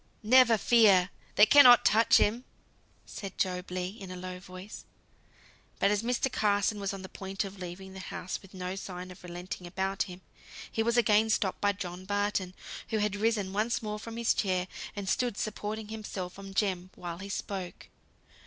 "Never fear! They cannot touch him," said Job Legh, in a low voice. But as Mr. Carson was on the point of leaving the house with no sign of relenting about him, he was again stopped by John Barton, who had risen once more from his chair, and stood supporting himself on Jem, while he spoke.